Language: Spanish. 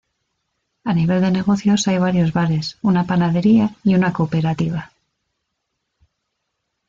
A nivel de negocios hay varios bares una panadería y una cooperativa.